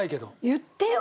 言ってよ！